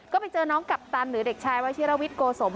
ก็ไปเจอน้องกัปตันหรือเด็กชายว่าเชียระวิดกิโงโสม